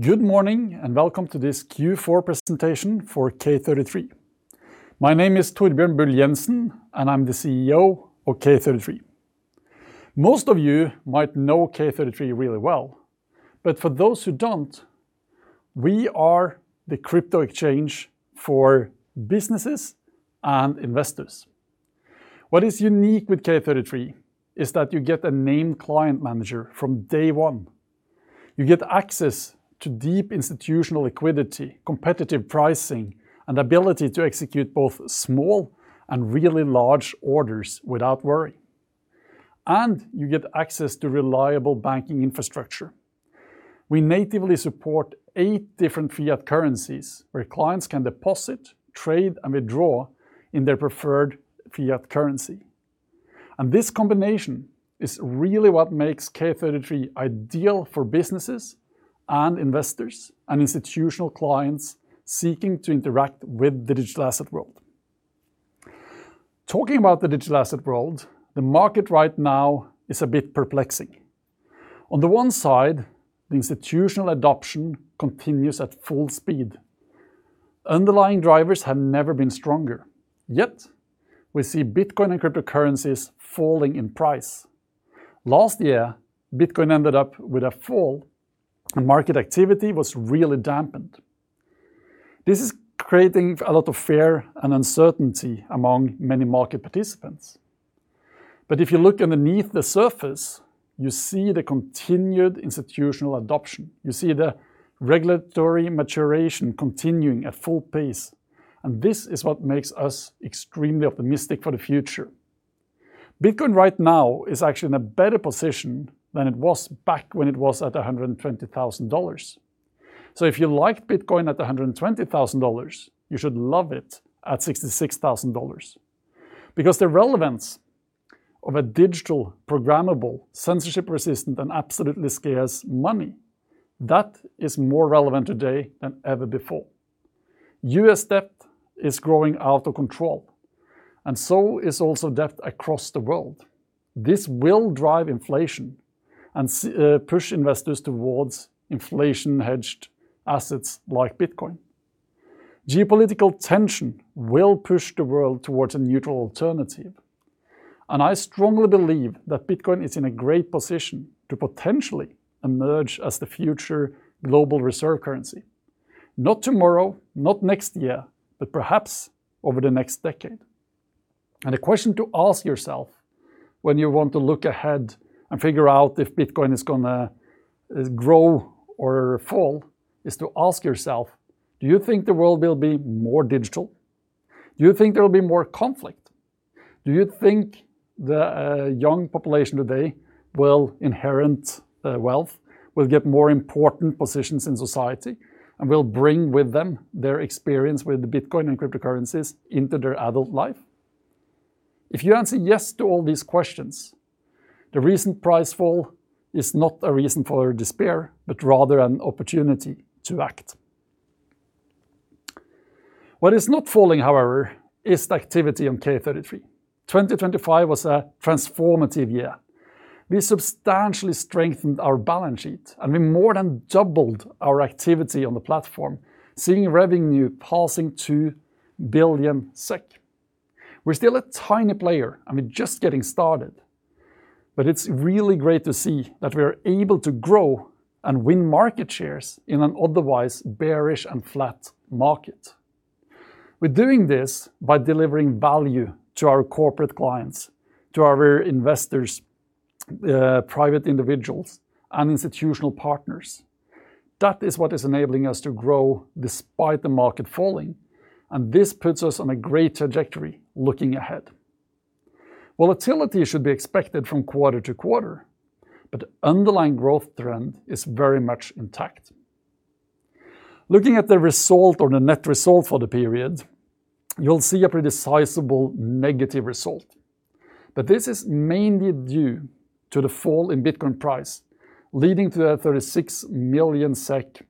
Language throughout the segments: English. Good morning, welcome to this Q4 presentation for K33. My name is Torbjørn Bull Jenssen, and I'm the CEO of K33. Most of you might know K33 really well, but for those who don't, we are the crypto exchange for businesses and investors. What is unique with K33 is that you get a named client manager from day one. You get access to deep institutional liquidity, competitive pricing, and ability to execute both small and really large orders without worry, and you get access to reliable banking infrastructure. We natively support eight different fiat currencies, where clients can deposit, trade, and withdraw in their preferred fiat currency. This combination is really what makes K33 ideal for businesses and investors and institutional clients seeking to interact with the digital asset world. Talking about the digital asset world, the market right now is a bit perplexing. On the one side, the institutional adoption continues at full speed. Underlying drivers have never been stronger, yet we see Bitcoin and cryptocurrencies falling in price. Last year, Bitcoin ended up with a fall, and market activity was really dampened. This is creating a lot of fear and uncertainty among many market participants. If you look underneath the surface, you see the continued institutional adoption. You see the regulatory maturation continuing at full pace, and this is what makes us extremely optimistic for the future. Bitcoin right now is actually in a better position than it was back when it was at $120,000. If you liked Bitcoin at $120,000, you should love it at $66,000. The relevance of a digital, programmable, censorship resistant, and absolutely scarce money, that is more relevant today than ever before. U.S. debt is growing out of control, and so is also debt across the world. This will drive inflation and push investors towards inflation-hedged assets like Bitcoin. Geopolitical tension will push the world towards a neutral alternative, and I strongly believe that Bitcoin is in a great position to potentially emerge as the future global reserve currency. Not tomorrow, not next year, but perhaps over the next decade. The question to ask yourself when you want to look ahead and figure out if Bitcoin is gonna grow or fall, is to ask yourself: do you think the world will be more digital? Do you think there will be more conflict? Do you think the young population today will inherit wealth, will get more important positions in society, and will bring with them their experience with Bitcoin and cryptocurrencies into their adult life? If you answer yes to all these questions, the recent price fall is not a reason for despair, but rather an opportunity to act. What is not falling, however, is the activity on K33. 2025 was a transformative year. We substantially strengthened our balance sheet, and we more than doubled our activity on the platform, seeing revenue passing 2 billion SEK. We're still a tiny player, and we're just getting started, but it's really great to see that we are able to grow and win market shares in an otherwise bearish and flat market. We're doing this by delivering value to our corporate clients, to our investors, private individuals, and institutional partners. That is what is enabling us to grow despite the market falling, and this puts us on a great trajectory looking ahead. Volatility should be expected from quarter to quarter, Underlying growth trend is very much intact. Looking at the result or the net result for the period, you'll see a pretty sizable negative result, This is mainly due to the fall in Bitcoin price, leading to a 36 million SEK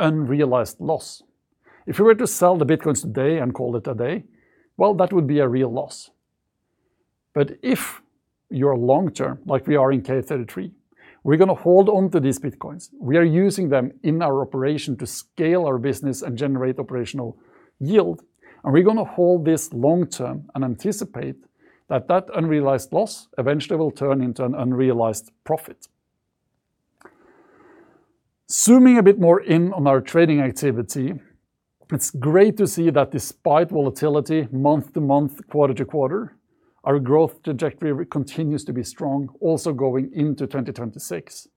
unrealized loss. If we were to sell the Bitcoins today and call it a day, well, that would be a real loss. If you're long term, like we are in K33, we're gonna hold on to these Bitcoins. We are using them in our operation to scale our business and generate operational yield, and we're gonna hold this long term and anticipate that that unrealized loss eventually will turn into an unrealized profit. Zooming a bit more in on our trading activity, it's great to see that despite volatility month-to-month, quarter-to-quarter, our growth trajectory continues to be strong, also going into 2026.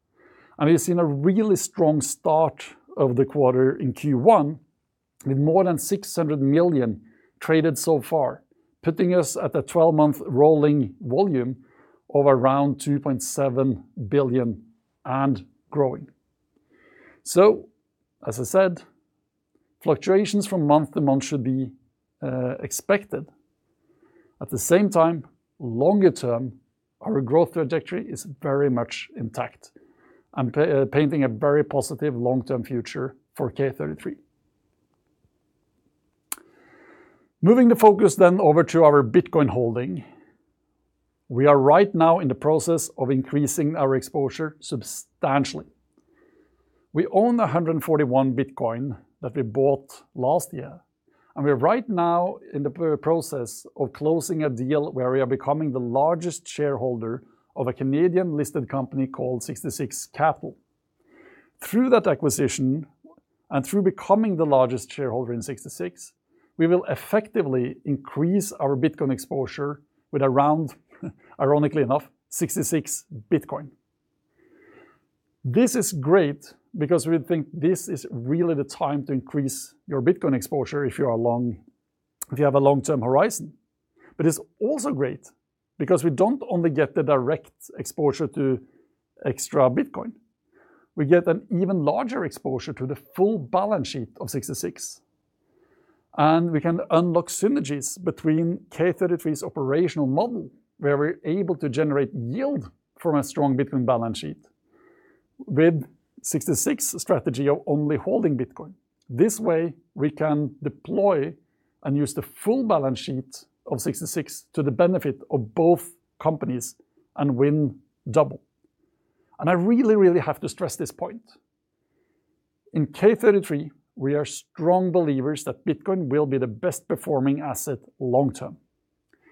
We've seen a really strong start of the quarter in Q1, with more than $600 million traded so far, putting us at a 12-month rolling volume of around $2.7 billion and growing. As I said, fluctuations from month-to-month should be expected. At the same time, longer term, our growth trajectory is very much intact and painting a very positive long-term future for K33. Moving the focus then over to our Bitcoin holding, we are right now in the process of increasing our exposure substantially. We own 141 Bitcoin that we bought last year. We're right now in the process of closing a deal where we are becoming the largest shareholder of a Canadian-listed company called Sixty Six Capital. Through that acquisition, and through becoming the largest shareholder in Sixty Six, we will effectively increase our Bitcoin exposure with around, ironically enough, 66 Bitcoin. This is great because we think this is really the time to increase your Bitcoin exposure if you have a long-term horizon. It's also great because we don't only get the direct exposure to extra Bitcoin, we get an even larger exposure to the full balance sheet of Sixty Six. We can unlock synergies between K33's operational model, where we're able to generate yield from a strong Bitcoin balance sheet. With Sixty Six strategy of only holding Bitcoin, this way, we can deploy and use the full balance sheet of Sixty Six to the benefit of both companies and win double. I really, really have to stress this point. In K33, we are strong believers that Bitcoin will be the best performing asset long term.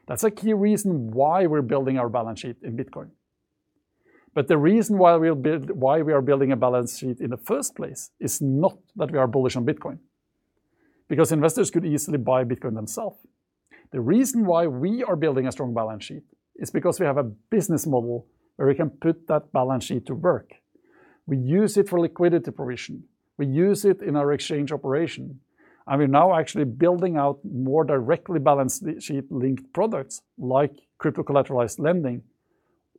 That's a key reason why we're building our balance sheet in Bitcoin. The reason why we are building a balance sheet in the first place is not that we are bullish on Bitcoin, because investors could easily buy Bitcoin themselves. The reason why we are building a strong balance sheet is because we have a business model where we can put that balance sheet to work. We use it for liquidity provision, we use it in our exchange operation, and we're now actually building out more directly balance sheet-linked products, like crypto-collateralized lending,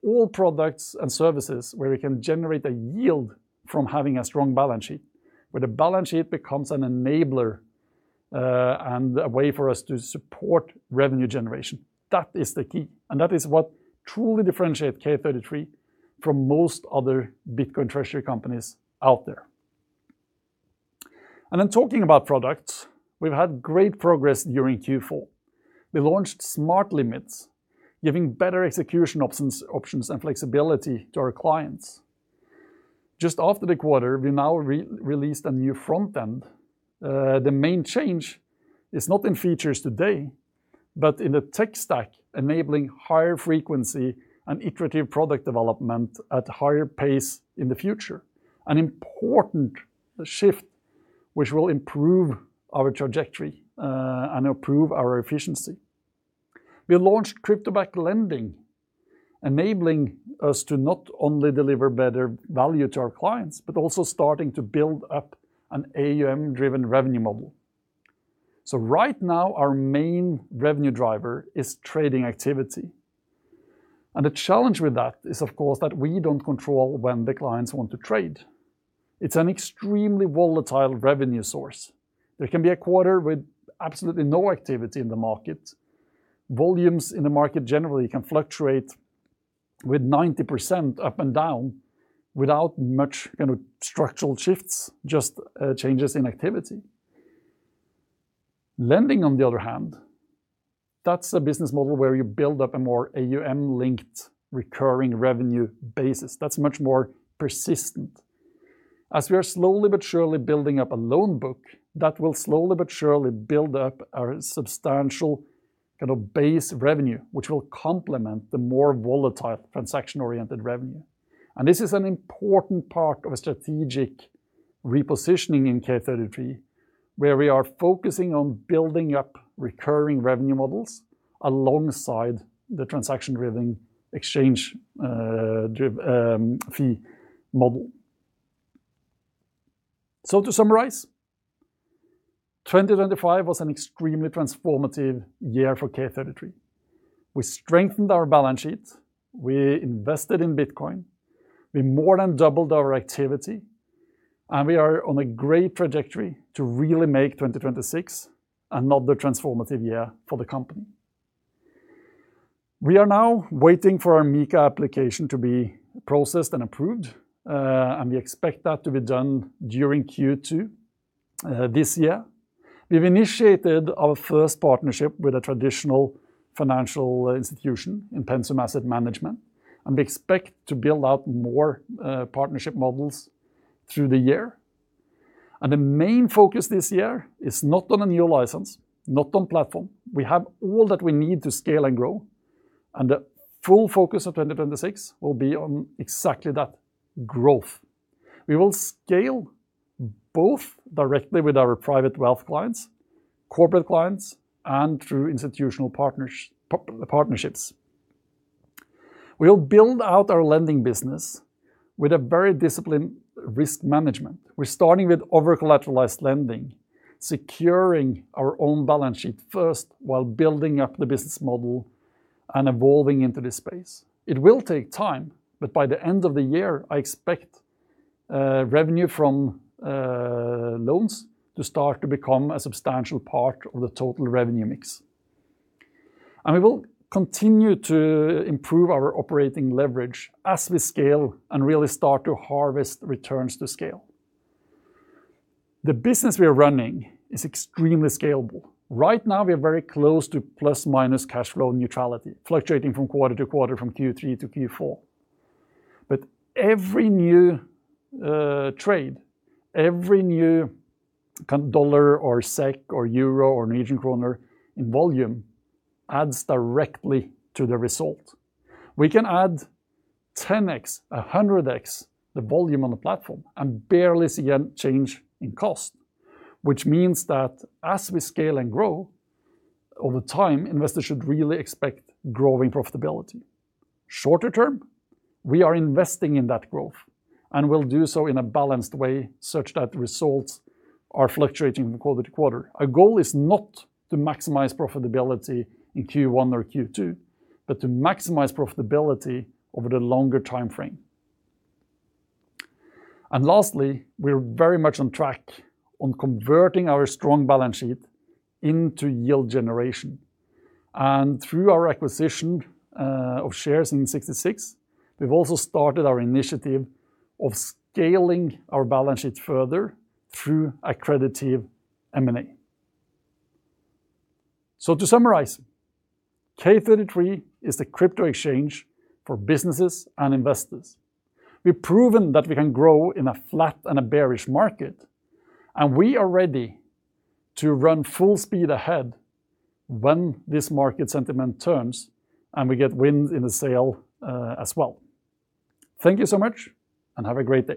all products and services where we can generate a yield from having a strong balance sheet, where the balance sheet becomes an enabler, and a way for us to support revenue generation. That is the key, and that is what truly differentiate K33 from most other Bitcoin treasury companies out there. In talking about products, we've had great progress during Q4. We launched Smart Limits, giving better execution options, and flexibility to our clients. Just after the quarter, we now released a new front end. The main change is not in features today, but in the tech stack, enabling higher frequency and iterative product development at a higher pace in the future, an important shift, which will improve our trajectory and improve our efficiency. We launched Crypto-Backed Lending, enabling us to not only deliver better value to our clients, but also starting to build up an AUM-driven revenue model. Right now, our main revenue driver is trading activity, and the challenge with that is, of course, that we don't control when the clients want to trade. It's an extremely volatile revenue source. There can be a quarter with absolutely no activity in the market. Volumes in the market generally can fluctuate with 90% up and down without much kind of structural shifts, just changes in activity. Lending, on the other hand, that's a business model where you build up a more AUM-linked, recurring revenue basis. That's much more persistent. As we are slowly but surely building up a loan book, that will slowly but surely build up a substantial kind of base revenue, which will complement the more volatile transaction-oriented revenue. This is an important part of a strategic repositioning in K33, where we are focusing on building up recurring revenue models alongside the transaction-driven exchange fee model. To summarize, 2025 was an extremely transformative year for K33. We strengthened our balance sheet, we invested in Bitcoin, we more than doubled our activity, and we are on a great trajectory to really make 2026 another transformative year for the company. We are now waiting for our MiCA application to be processed and approved, and we expect that to be done during Q2 this year. We've initiated our first partnership with a traditional financial institution in Pensum Asset Management, we expect to build out more partnership models through the year. The main focus this year is not on a new license, not on platform. We have all that we need to scale and grow, the full focus of 2026 will be on exactly that: growth. We will scale both directly with our private wealth clients, corporate clients, and through institutional partnerships. We will build out our lending business with a very disciplined risk management. We're starting with over-collateralized lending, securing our own balance sheet first, while building up the business model and evolving into this space. It will take time, but by the end of the year, I expect revenue from loans to start to become a substantial part of the total revenue mix. We will continue to improve our operating leverage as we scale and really start to harvest returns to scale. The business we are running is extremely scalable. Right now, we are very close to ± cash flow neutrality, fluctuating from quarter to quarter, from Q3-Q4. Every new trade, every new dollar or SEK or euro or Norwegian kroner in volume adds directly to the result. We can add 10x, 100x, the volume on the platform and barely see a change in cost, which means that as we scale and grow, over time, investors should really expect growing profitability. Shorter term, we are investing in that growth, and we'll do so in a balanced way such that results are fluctuating from quarter to quarter. Our goal is not to maximize profitability in Q1 or Q2, but to maximize profitability over the longer time frame. Lastly, we're very much on track on converting our strong balance sheet into yield generation. Through our acquisition of shares in Sixty Six, we've also started our initiative of scaling our balance sheet further through accretive M&A. To summarize, K33 is the crypto exchange for businesses and investors. We've proven that we can grow in a flat and a bearish market, and we are ready to run full speed ahead when this market sentiment turns, and we get wind in the sail as well. Thank you so much, and have a great day!